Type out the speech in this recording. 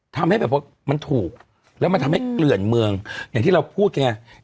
ทำให้แบบว่ามันถูกแล้วมันทำให้เกลื่อนเมืองอย่างที่เราพูดไง